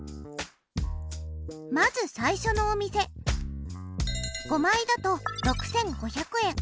まず最初のお店５枚だと６５００円。